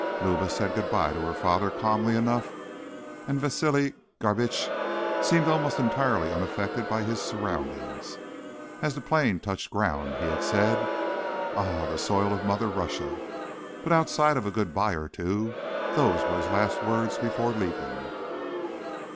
Luba said goodbye to her father calmly enough, and Vasili Garbitsch seemed almost entirely unaffected by his surroundings. As the plane touched ground, he had said: "Ah, the soil of Mother Russia," but, outside of a goodbye or two, those were his last words before leaving.